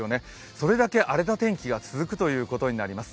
それだけ荒れた天気が続くということになります。